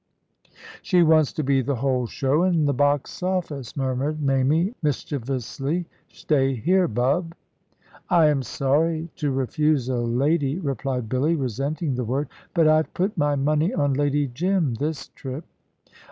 "She wants to be the whole show an' the box office," murmured Mamie, mischievously. "Stay here, Bub." "I am sorry to refuse a lady," replied Billy, resenting the word; "but I've put my money on Lady Jim, this trip."